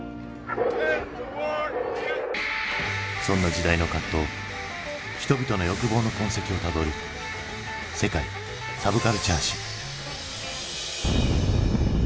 そんな時代の葛藤人々の欲望の痕跡をたどる「世界サブカルチャー史」。